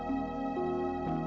tidak ada apa apa